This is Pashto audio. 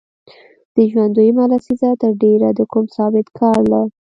د ژوند دویمه لسیزه تر ډېره د کوم ثابت کار له